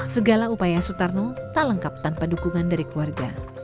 segala upaya sutarno tak lengkap tanpa dukungan dari keluarga